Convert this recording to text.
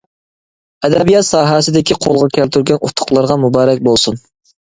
ئەدەبىيات ساھەسىدىكى قولغا كەلتۈرگەن ئۇتۇقلىرىغا مۇبارەك بولسۇن!